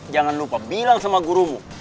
jangan lupa bilang sama gurumu